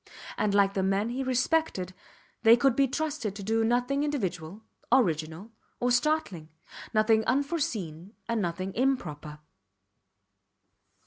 And like the men he respected they could be trusted to do nothing individual, original, or startling nothing unforeseen and nothing improper.